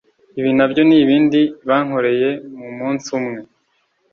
ibi na byo ni ibindi bankoreye mu munsi umwe